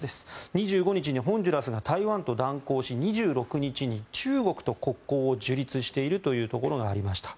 ２５日にホンジュラスが台湾と断交し２６日に中国と国交を樹立しているというところがありました。